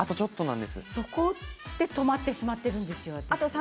そこで止まってしまっているんですよ私。